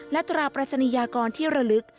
และตราปริศนียากรที่ระลึก